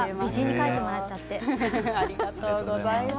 ありがとうございます。